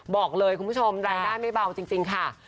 บอกเลยคุณผู้ชมรายได้ไม่เบาจริงค่ะ